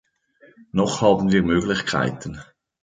Noch haben wir Möglichkeiten.